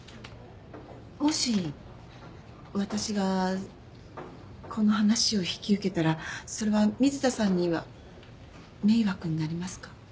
もし私がこの話を引き受けたらそれは水田さんには迷惑になりますか？